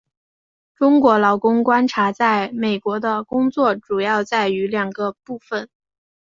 中国劳工观察在美国的工作主要在于两个部份。